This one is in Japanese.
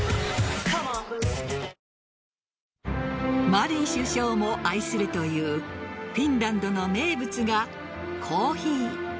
マリン首相も愛するというフィンランドの名物がコーヒー。